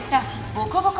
ボコボコ